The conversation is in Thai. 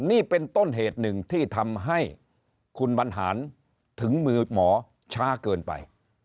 นี่เป็นต้นเหตุหนึ่งที่ทำให้คุณบรรหารถึงมือหมอช้าเกินไป